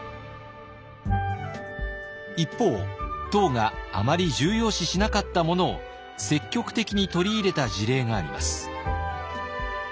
一方唐があまり重要視しなかったものを積極的に取り入れた事例があります。